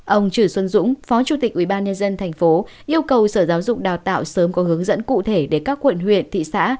ông trừ xuân dũng phó chủ tịch ubnd tp yêu cầu sở giáo dục đào tạo sớm có hướng dẫn cụ thể để các quận huyện thị xã